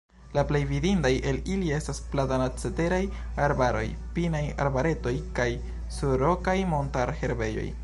La plej vidindaj el ili estas platanaceraj arbaroj, pinaj arbaretoj kaj surrokaj montarherbejoj.